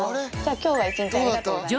きょうは一日ありがとうございました。